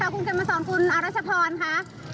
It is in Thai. คุณเข็มมาสอนคุณอรัชพรค่ะ